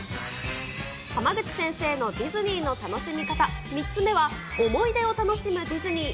濱口先生のディズニーの楽しみ方、３つ目は、思い出を楽しむディズニー。